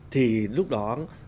thì lúc đó